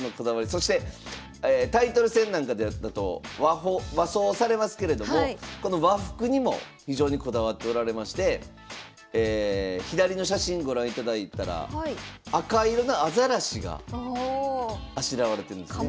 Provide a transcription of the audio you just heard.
そしてタイトル戦なんかだと和装されますけれどもこの和服にも非常にこだわっておられまして左の写真ご覧いただいたら赤色のアザラシがあしらわれてるんですね。